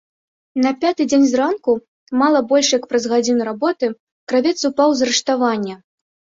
На пяты дзень зранку, мала больш як праз гадзіну работы, кравец упаў з рыштавання.